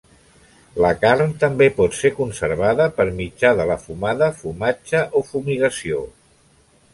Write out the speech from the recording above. La carn també pot ser conservada per mitjà de la fumada, fumatge o fumigació.